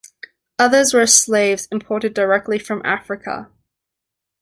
Others were slaves imported directly from Africa.